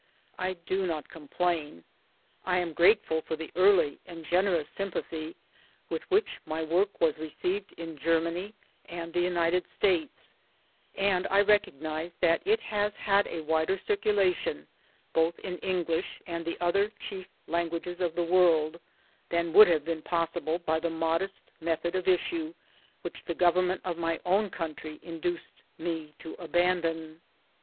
1 I do not complain. I am grateful for the early and generous sympathy with which my work was received in Germany and the United States, and I recognize that it has had a wider circulation, both in English and the other chief languages of the world, than would have been possible by the modest method of issue which the government of my own country induced me to abandon.